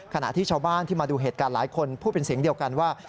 ขณะที่ชาวบ้านที่มาดูเหตุการณ์หลายคนพูดเป็นเสียงเดียวกันว่า